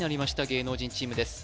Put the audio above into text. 芸能人チームです